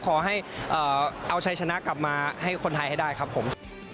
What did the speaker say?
ขอให้เอาชัยชนะกลับมาให้คนไทยให้ได้ครับผม